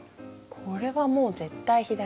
これはもう絶対左。